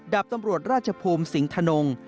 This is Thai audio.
ดาบตำรวจราชภูมิสิงธนง